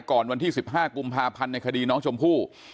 วันที่๑๕กุมภาพันธ์ในคดีน้องชมพู่